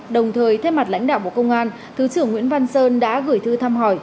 đồng thời thay mặt lãnh đạo bộ công an thứ trưởng nguyễn văn sơn đã gửi thư thăm hỏi